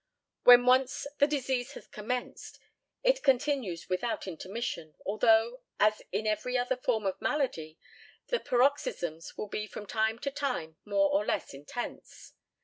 When once the disease has commenced, it continues without intermission, although, as in every other form of malady, the paroxysms will be from time to time more or less intense.